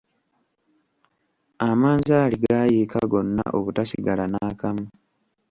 Amanzaali gaayiika gonna obutasigala naakamu.